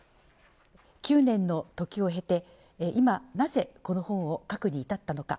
９年のときを経て、今、なぜ、この本を書くに至ったのか。